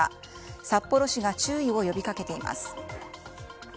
札幌市が注意を呼びかけています。